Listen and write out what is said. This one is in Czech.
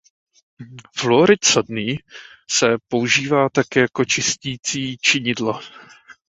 Fluorid sodný se používá také jako čisticí činidlo.